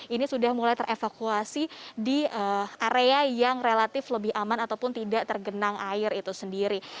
ini sudah mulai terevakuasi di area yang relatif lebih aman ataupun tidak tergenang air itu sendiri